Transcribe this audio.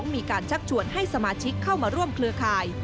มีการชักชวนให้สมาชิกเข้ามาร่วมเครือข่าย